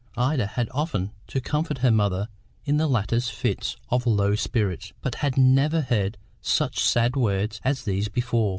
Ida had often to comfort her mother in the latter's fits of low spirits, but had never heard such sad words as these before.